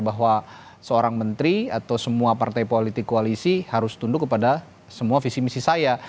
bahwa seorang menteri atau semua partai politik koalisi harus tunduk kepada semua visi misi saya